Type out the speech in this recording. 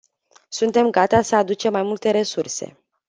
Suntem gata să aducem mai multe resurse.